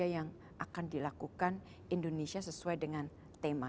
yang akan dilakukan indonesia sesuai dengan tema